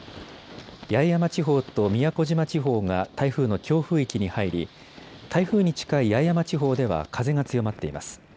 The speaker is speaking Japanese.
八重山地方と宮古島地方が台風の強風域に入り、台風に近い八重山地方では風が強まっています。